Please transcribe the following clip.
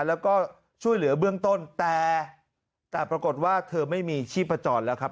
แล้วก็ช่วยเหลือเบื้องต้นแต่แต่ปรากฏว่าเธอไม่มีชีพจรแล้วครับ